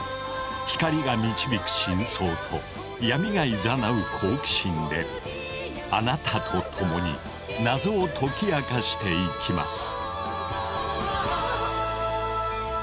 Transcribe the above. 光が導く真相と闇がいざなう好奇心であなたと共に謎を解き明かしていきます。